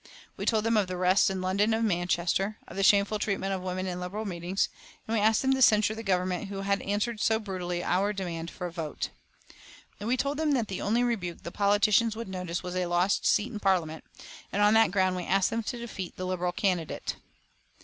We told them of the arrests in London and Manchester, of the shameful treatment of women in Liberal meetings, and we asked them to censure the Government who had answered so brutally our demand for a vote. We told them that the only rebuke that the politicians would notice was a lost seat in Parliament, and that on that ground we asked them to defeat the Liberal candidate.